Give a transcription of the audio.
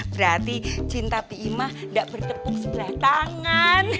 berarti cinta bima tidak bertepuk sebelah tangan